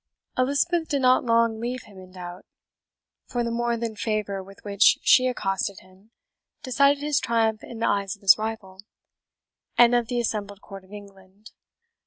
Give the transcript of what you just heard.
Elizabeth did not long leave him in doubt; for the more than favour with which she accosted him decided his triumph in the eyes of his rival, and of the assembled court of England.